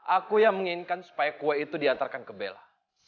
aku yang menginginkan supaya kue itu diantarkan ke bella